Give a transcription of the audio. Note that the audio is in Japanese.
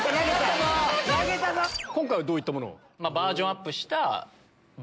今回はどういったものを？